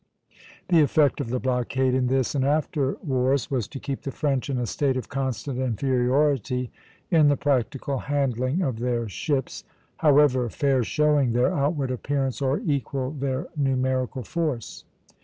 The effect of the blockade in this and after wars was to keep the French in a state of constant inferiority in the practical handling of their ships, however fair showing their outward appearance or equal their numerical force.